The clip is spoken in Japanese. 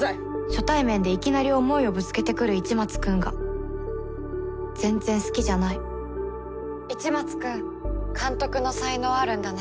初対面でいきなり思いをぶつけてくる市松君が市松君監督の才能あるんだね